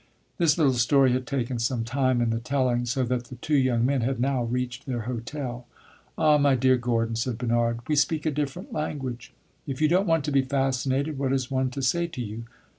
This little story had taken some time in the telling, so that the two young men had now reached their hotel. "Ah, my dear Gordon," said Bernard, "we speak a different language. If you don't want to be fascinated, what is one to say to you?